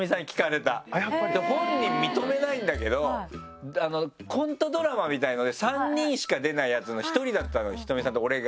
本人認めないんだけどコントドラマみたいなので３人しか出ないやつの１人だったの仁美さんと俺が。